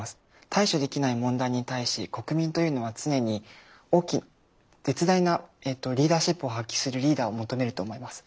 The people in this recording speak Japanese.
対処できない問題に対し国民というのは常に絶大なリーダーシップを発揮するリーダーを求めると思います。